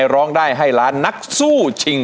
ผ่านยกที่สองไปได้นะครับคุณโอ